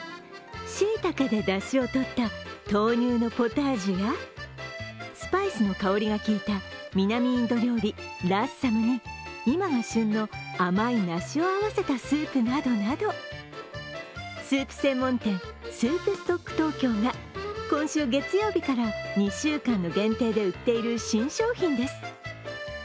しいたけでだしを取った豆乳のポタージュやスパイスの香りが効いた南インド料理ラッサムに今が旬の甘い梨を合わせたスープなどなどスープ専門店、スープストックトーキョーが今週月曜日から２週間限定で売っている新商品です。